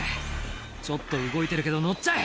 「ちょっと動いてるけど乗っちゃえ」